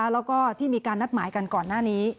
แล้วก็ที่มีการนัดหมายกันก่อนหน้านี้